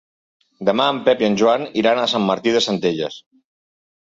Demà en Pep i en Joan iran a Sant Martí de Centelles.